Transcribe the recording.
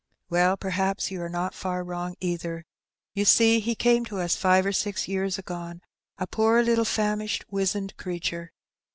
*'Well, perhaps you are not far wrong either. You see, he came to us five or six years agone, a poor little famished, wizened creature.